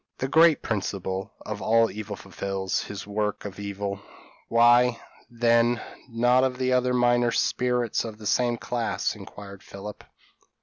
p> "The great principle of all evil fulfils his work of evil; why, then, not the other minor spirits of the same class?" inquired Philip.